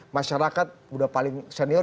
masyarakat udah paling senior